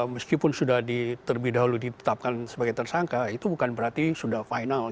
meskipun sudah terlebih dahulu ditetapkan sebagai tersangka itu bukan berarti sudah final